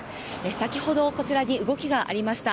先ほど、こちらに動きがありました。